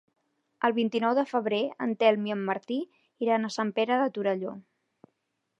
El vint-i-nou de febrer en Telm i en Martí iran a Sant Pere de Torelló.